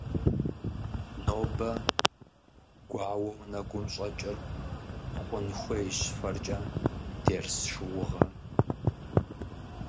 Нобэ гуауэу нэгум щӀэкӀыр хъун хуейщ фэркӀэ дерс шыугъэ.